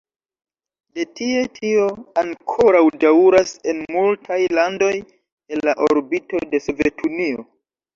De tie tio ankoraŭ daŭras en multaj landoj el la orbito de Sovetunio.